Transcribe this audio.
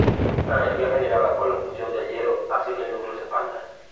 La energía generada por la fusión del helio hace que el núcleo se expanda.